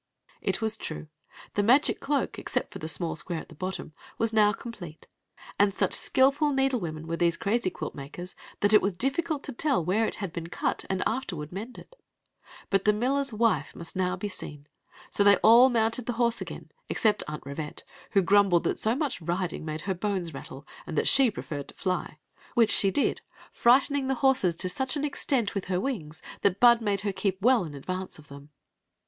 It was true — the magic cloak, except for a small square at the bottom, was now complete; and such skilful needlewomen were these crazy quilt makers that it was difficult to tell where k had been oit auid afterward mended. But the miller s wife must now be seen ; so they all mounted the horses again, except Aunt Rivette, who grumbled that so much riding made her bones Md that she j^^mted^ to %.^ Si^ 266 Queen Zixi of Ix; or, the frightening the horses to such an extent with her wings that Bud made her ke^ well m advai^ of them.